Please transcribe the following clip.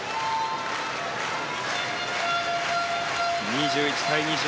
２１対２０